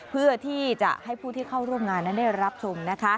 เพื่อที่จะให้ผู้ที่เข้าร่วมงานนั้นได้รับชม